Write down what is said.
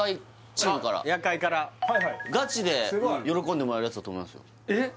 「夜会」からガチで喜んでもらえるやつだと思いますよえっ？